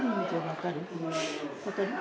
分かる？